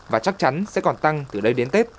và chắc chắn sẽ còn tăng từ đây đến tết